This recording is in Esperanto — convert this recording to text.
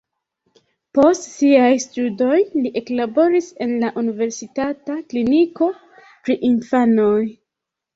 Post siaj studoj li eklaboris en la universitata kliniko pri infanoj.